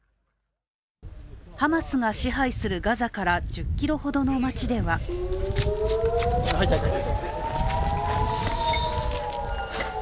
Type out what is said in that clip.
ハマスが支配するガザから１０ｋｍほどの町では入って、入って、入って。